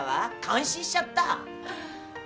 感心しちゃった。